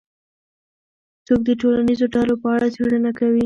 څوک د ټولنیزو ډلو په اړه څېړنه کوي؟